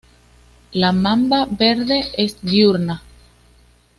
La mamba verde es diurna.